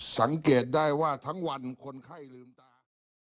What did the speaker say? สังเกตได้ว่าทั้งวันคนไข้ลืมตา